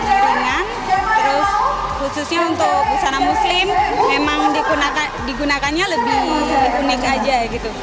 ringan terus khususnya untuk busana muslim memang digunakannya lebih unik aja gitu